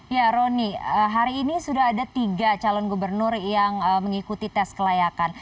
ya roni hari ini sudah ada tiga calon gubernur yang mengikuti tes kelayakan